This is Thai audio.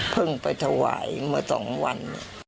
เพิ่งไปถวายมา๒วัน